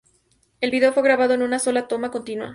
El video fue grabado en una sola toma continua.